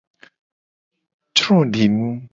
Codinu.